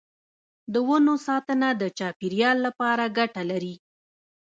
د ونو ساتنه د چاپیریال لپاره ګټه لري.